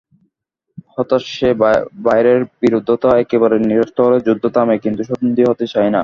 হঠাৎ সেই বাইরের বিরুদ্ধতা একেবারে নিরস্ত হলে যুদ্ধ থামে কিন্তু সন্ধি হতে চায় না।